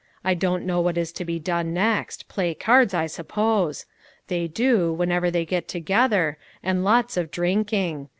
I don't know what is to be done next ; play cards, I suppose; they do, whenever they get together, and lots of drinking.